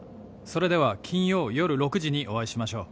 それでは金曜夜６時にお会いしましょう」